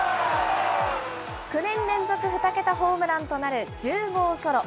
９年連続２桁ホームランとなる１０号ソロ。